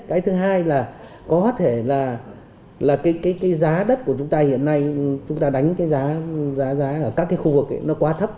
cái thứ hai là có thể là cái giá đất của chúng ta hiện nay chúng ta đánh cái giá giá ở các cái khu vực nó quá thấp